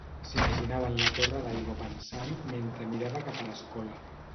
S'imaginaven la torre d'aigua pensant mentre mirava cap a l'escola.